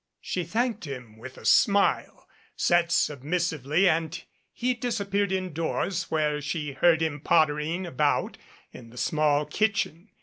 She thanked him with a smile, sat submissively and he disappeared indoors, where she heard him pottering about in the small kitchen.